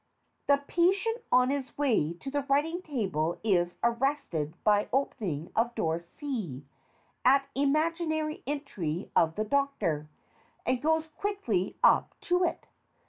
The PATIENT on his way to the writing table is ar rested by opening of door C at imaginary entry of the DOCTOR, and goes quickly up to it.